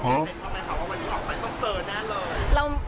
เต้นทำไมครับว่าวันนี้ออกไปต้องเซอร์แน่นเลย